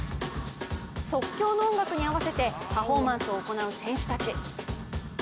即興の音楽に合わせて、パフォーマンスを行う選手たち。